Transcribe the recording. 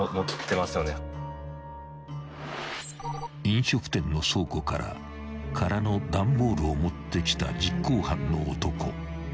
［飲食店の倉庫から空の段ボールを持ってきた実行犯の男］